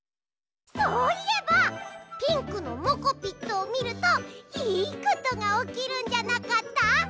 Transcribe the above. そういえばピンクのモコピットをみるといいことがおきるんじゃなかった？